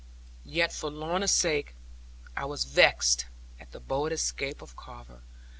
Yet, for Lorna' s sake, I was vexed at the bold escape of Carver.